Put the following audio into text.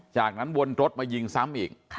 จากนั้นวนรถมายิงซ้ำอีก